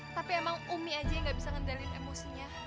tapi emang umi aja yang gak bisa ngendalin emosinya